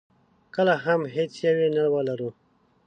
کله هم هېڅ یو یې نه ولرو.